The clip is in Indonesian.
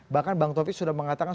bahkan bang taufik sudah mengatakan